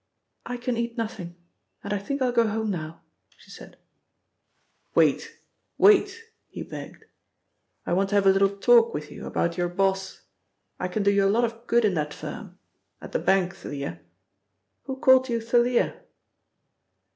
"I can eat nothing, and I think I'll go home now," she said. "Wait, wait," he begged. "I want to have a little talk with you about your boss. I can do you a lot of good in that firm at the bank, Thalia. Who called you Thalia?"